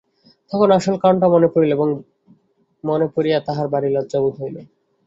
তখন আসল কারণটা মনে পড়িল এবং মনে পড়িয়া তাহার ভারি লজ্জা বোধ হইল।